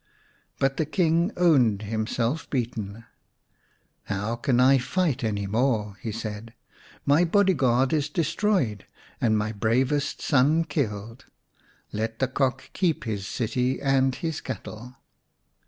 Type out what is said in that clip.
But the King owned himself beaten. " How can I fight any more ?" he said. " My body guard is destroyed and my bravest son killed. Let the Cock keep his city and his cattle."